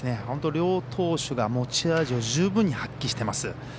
本当、両投手が持ち味を十分に発揮しています。